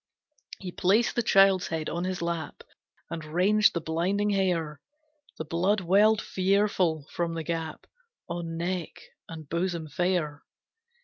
He placed the child's head on his lap, And ranged the blinding hair, The blood welled fearful from the gap On neck and bosom fair.